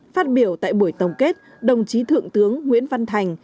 phát biểu tại buổi tổng kết đồng chí thượng tướng nguyễn văn thành